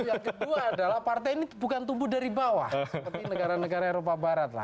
yang kedua adalah partai ini bukan tumbuh dari bawah seperti negara negara eropa barat lah